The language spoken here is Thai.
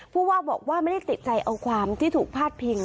ผู้ว่าบอกว่าไม่ได้ติดใจเอาความที่ถูกพาดพิง